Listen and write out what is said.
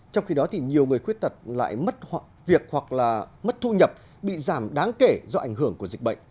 trong khi đó thì nhiều người khuyết tật lại mất việc hoặc là mất thu nhập bị giảm đáng kể do ảnh hưởng của dịch bệnh